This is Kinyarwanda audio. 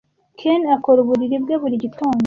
Ken akora uburiri bwe buri gitondo.